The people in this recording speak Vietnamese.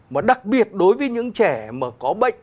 mà đặc biệt đối với những trẻ mà có bệnh